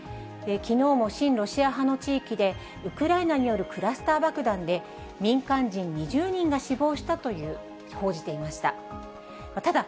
きのうも親ロシア派の地域で、ウクライナによるクラスター爆弾で、民間人２０人が死亡したと報じていました。